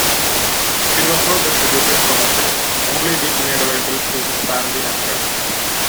It was not distributed commercially, only being made available to his family and friends.